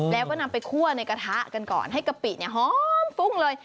แล้วก็นำไปคั่วในกระทะกันก่อนให้กะปิหอมฟุ้งเลย